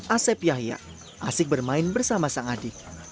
asep yahya asik bermain bersama sang adik